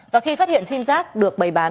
và khi phát hiện sim giáp được bày bán